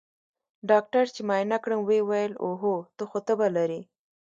ډاکتر چې معاينه کړم ويې ويل اوهو ته خو تبه لرې.